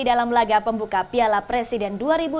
dalam laga pembuka piala presiden dua ribu delapan belas